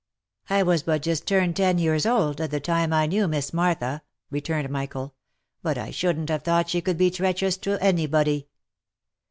" I was but just turned ten years old, at the time I knew Miss Martha," returned Michael ;" but I shouldn't have thought she could be treacherous to any body."